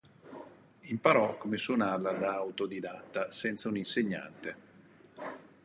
Imparò come suonarla da autodidatta, senza un insegnante.